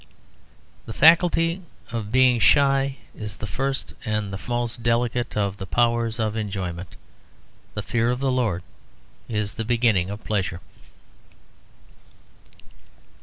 The faculty of being shy is the first and the most delicate of the powers of enjoyment. The fear of the Lord is the beginning of pleasure.